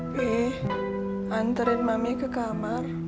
wih anterin mami ke kamar